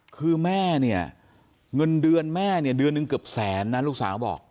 คือแม่เนี่ยเงินเดือนแม่เนี่ยเดือนหนึ่งเกือบแสนนะลูกสาวบอก